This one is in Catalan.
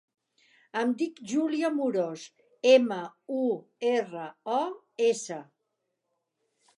Em dic Júlia Muros: ema, u, erra, o, essa.